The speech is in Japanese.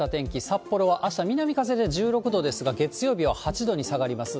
札幌はあした、南風で１６度ですが、月曜日は８度に下がります。